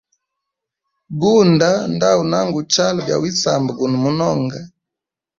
Gunda nda unanguchala bya wisamba guno munonga.